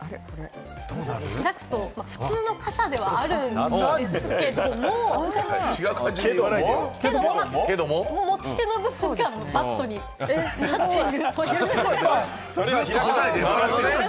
普通の傘ではあるんですけれど、持ち手の部分がバットになっている。